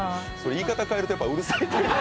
言い方を変えると、やっぱうるさいということ？